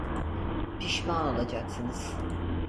Pişman olacaksınız.